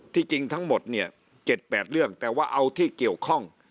จริงทั้งหมดเนี่ย๗๘เรื่องแต่ว่าเอาที่เกี่ยวข้อง